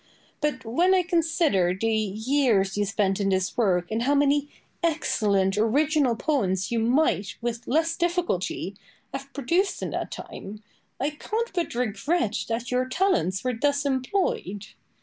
But when I consider the years you spent in this work, and how many excellent original poems you might, with less difficulty, have produced in that time, I can't but regret that your talents were thus employed.